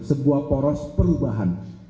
sebuah poros perubahan